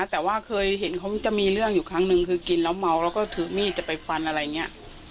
แต่ว่าเคยเห็นเขาจะมีเรื่องอยู่ครั้งนึงคือกินแล้วเมาแล้วก็ถือมีดจะไปฟันอะไรอย่างนี้